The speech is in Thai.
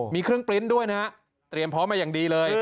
มีเครื่องปริ้นต์ด้วยนะฮะเตรียมพร้อมมาอย่างดีเลย